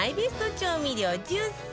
調味料１０選